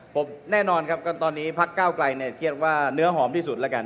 ผมแน่นอนครับตอนนี้พักเก้าไกลเนี่ยเครียดว่าเนื้อหอมที่สุดแล้วกัน